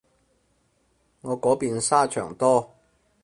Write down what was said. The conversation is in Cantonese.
我嗰邊沙場多